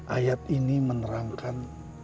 ayat ini menerangkan